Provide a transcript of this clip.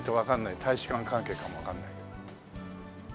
大使館関係かもわからない。